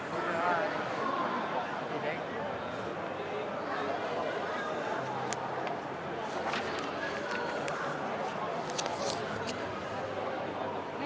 สวัสดีครับ